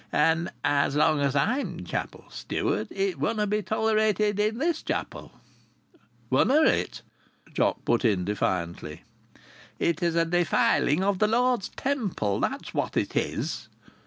"And as long as I'm chapel steward it wunna' be tolerated in this chapel." "Wunna it?" Jock put in defiantly. "It's a defiling of the Lord's temple; that's what it is!"